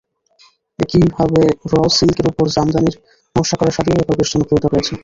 একইভাবে র-সিল্কের ওপরে জামদানির নকশা করা শাড়িও এবার বেশ জনপ্রিয়তা পেয়েছে।